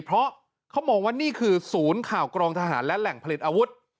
เพราะเขามองว่านี่คือศูนย์ข่าวกรองทหารและแหล่งผลิตอาวุธ